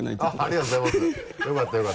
ありがとうございますよかった。